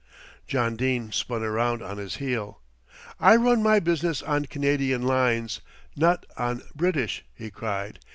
John Dene span round on his heel. "I run my business on Canadian lines, not on British," he cried.